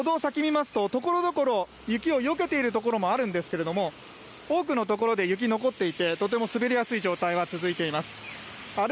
歩道の先を見るとところどころ雪をよけている所もあるんですけれども、多くの所で雪残っていてとても滑りやすい状態が続いています。